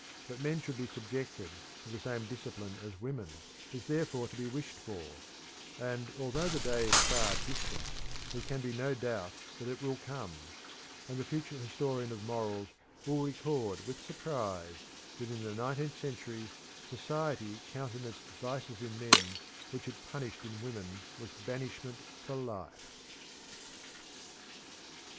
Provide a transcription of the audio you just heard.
That men should be subjected to the same discipline as women is therefore to be wished for: and although the day is far distant, there can be no doubt that it will come: and the future historian of morals will record with surprise that in the nineteenth century society countenanced vices in men which it punished in women with banishment for life.